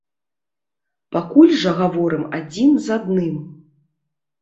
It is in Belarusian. Пакуль жа гаворым адзін з адным.